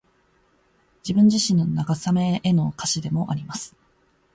自分自身への慰めの歌詞でもあります。